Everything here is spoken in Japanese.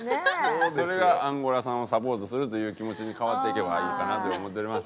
それがアンゴラさんをサポートするという気持ちに変わっていけばいいかなと思っております。